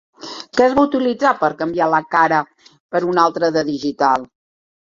Què es va utilitzar per canviar la cara per una altra de digital?